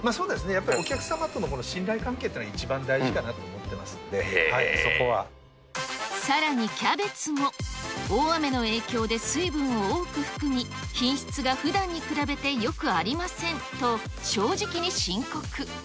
やっぱりお客様との信頼関係というのは一番大事かなと思っていまさらにキャベツも、大雨の影響で水分を多く含み、品質がふだんに比べてよくありませんと、正直に深刻。